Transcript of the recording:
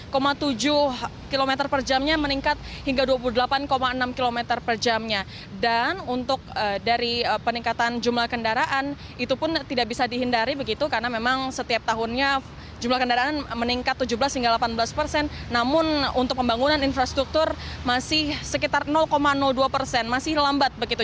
ketiga dua puluh delapan enam km per jamnya meningkat hingga dua puluh delapan enam km per jamnya dan untuk dari peningkatan jumlah kendaraan itu pun tidak bisa dihindari begitu karena memang setiap tahunnya jumlah kendaraan meningkat tujuh belas hingga delapan belas persen namun untuk pembangunan infrastruktur masih sekitar dua persen masih lambat begitu